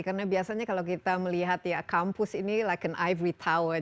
karena biasanya kalau kita melihat ya kampus ini seperti tower berlian